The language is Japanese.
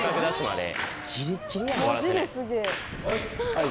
はい。